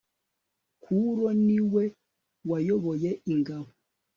Kuro ni we wayoboye ingabo